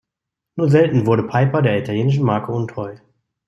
Nur selten wurde Piper der italienischen Marke untreu.